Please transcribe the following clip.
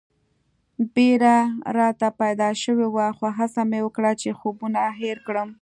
بېره راته پیدا شوې وه خو هڅه مې وکړه چې خوبونه هېر کړم.